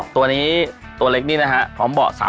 ตัวนี้ตัวเล็กนี้นะคะพร้อมบอก๓๕๐๐ค่ะ